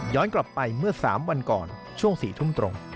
กลับไปเมื่อ๓วันก่อนช่วง๔ทุ่มตรง